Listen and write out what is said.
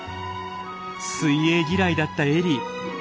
水泳嫌いだったエリー。